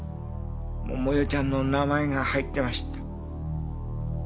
桃代ちゃんの名前が入ってました。